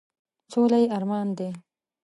سوله یې ارمان دی ،.